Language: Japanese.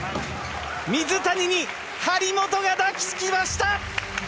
水谷に張本が抱き着きました！